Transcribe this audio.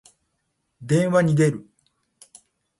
電話に出る。